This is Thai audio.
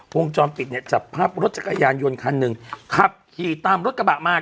วงจรปิดเนี่ยจับภาพรถจักรยานยนต์คันหนึ่งขับขี่ตามรถกระบะมา